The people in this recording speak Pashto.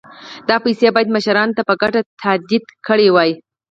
دا پیسې باید مشرانو په ګډه تادیه کړي وای.